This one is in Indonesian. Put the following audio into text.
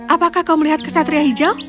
apakah kau melihat kesatria hijau